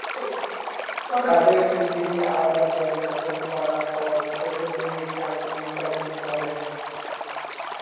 কাদের সিদ্দিকী আলাদা দল গঠন করার পর ছোট মনির জার্মানি গমন করেন।